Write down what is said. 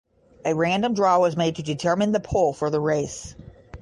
A random draw was made to determine the pole for the race.